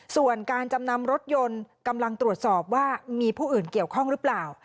ส่วนการจำนำรถยนต์กำลังตรวจสอบว่ามีผู้อื่นเกี่ยวข้องหรือเปล่า